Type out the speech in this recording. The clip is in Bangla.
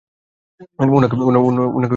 উনাকে ভেতরে ঢুকতে দাও!